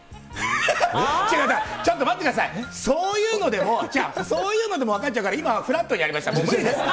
違う、だから、ちょっと待ってください、そういうのでも、違う、そういうのでも分かっちゃうから、今はフラットにやりました、もう無理です。